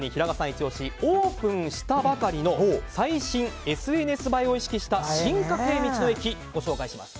イチ押しオープンしたばかりの最新ＳＮＳ映えを意識した進化形道の駅、ご紹介します。